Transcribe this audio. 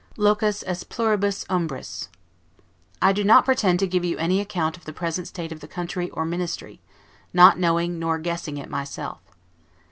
'Locus est et pluribus umbris'. I do not pretend to give you any account of the present state of this country, or Ministry, not knowing nor guessing it myself.